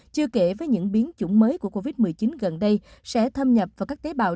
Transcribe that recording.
chưa kể với những biến chủng mới của covid một mươi chín gần đây sẽ thâm nhập vào các tế bào